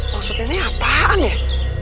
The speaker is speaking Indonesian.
maksud nenek apaan ya